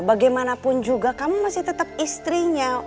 bagaimanapun juga kamu masih tetap istrinya